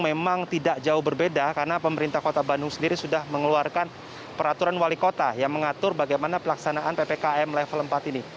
memang tidak jauh berbeda karena pemerintah kota bandung sendiri sudah mengeluarkan peraturan wali kota yang mengatur bagaimana pelaksanaan ppkm level empat ini